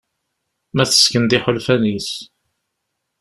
Ma tesken-d iḥulfan-is.